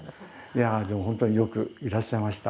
いやあでも本当によくいらっしゃいました。